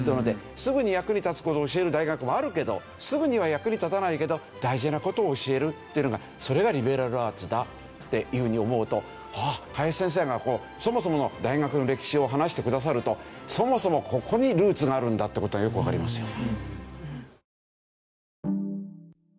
すぐに役に立つ事を教える大学もあるけどすぐには役に立たないけど大事な事を教えるっていうのがそれがリベラルアーツだっていうふうに思うと林先生がそもそもの大学の歴史を話してくださるとそもそもここにルーツがあるんだっていう事がよくわかりますよね。